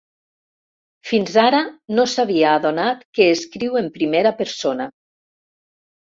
Fins ara no s'havia adonat que escriu en primera persona.